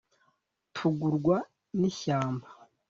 tugurwa n’ishyamba